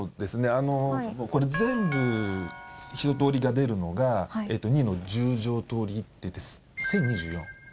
あのこれ全部ひととおりが出るのが２の十乗通りっていって１０２４。